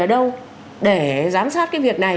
ở đâu để sám sát cái việc này